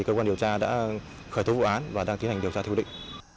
chúng ta đã khởi tố vụ án và đang tiến hành điều tra thiêu định